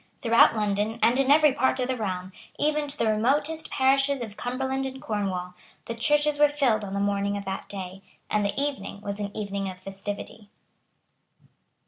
Throughout London, and in every part of the realm, even to the remotest parishes of Cumberland and Cornwall, the churches were filled on the morning of that day; and the evening was an evening of festivity.